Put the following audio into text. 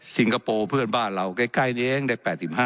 สิงคโปร์เพื่อนบ้านเราใกล้เองได้๘๕